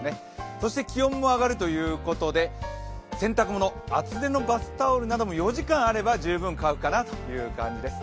そして気温も上がるということで、洗濯物、厚手のバスタオルなども４時間あれば十分乾くかなという感じです。